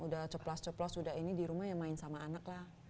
udah ceplas ceplos udah ini di rumah ya main sama anak lah